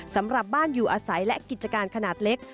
สำหรับบ้านอยู่อาศัยและกิจการขนาดเล็ก